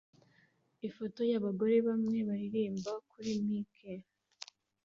Ifoto yabagore bamwe baririmba kuri mike